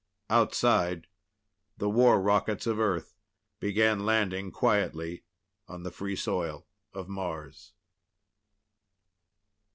Outside the war rockets of Earth began landing quietly on the free soil of Mars.